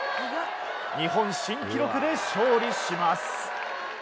日本記録で勝利します。